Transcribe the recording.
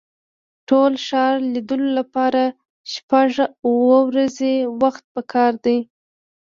د ټول ښار لیدلو لپاره شپږ اوه ورځې وخت په کار دی.